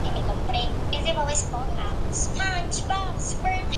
Es una variante del agar sangre.